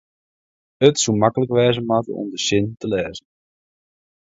it soe maklik wêze moatte om de sin te lêzen